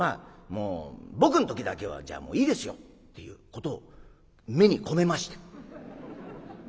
もう「僕の時だけはじゃもういいですよ」っていうことを目に込めまして。